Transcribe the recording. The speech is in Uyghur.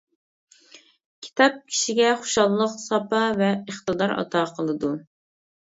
كىتاب كىشىگە خۇشاللىق، ساپا ۋە ئىقتىدار ئاتا قىلىدۇ.